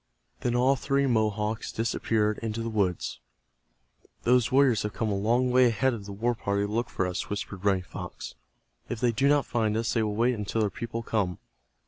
Then all three Mohawks disappeared into the woods. "Those warriors have come a long ways ahead of the war party to look for us," whispered Running Fox. "If they do not find us they will wait until their people come."